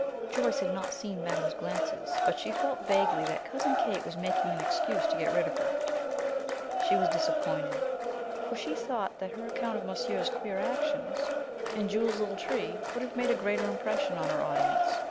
Joyce had not seen madame's glances, but she felt vaguely that Cousin Kate was making an excuse to get rid of her. She was disappointed, for she thought that her account of monsieur's queer actions and Jules's little tree would have made a greater impression on her audience.